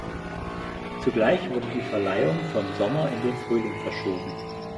Zugleich wurde die Verleihung vom Sommer in den Frühling verschoben.